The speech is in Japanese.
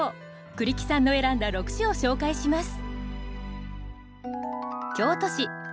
栗木さんの選んだ６首を紹介します。